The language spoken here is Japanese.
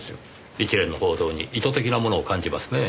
一連の報道に意図的なものを感じますねぇ。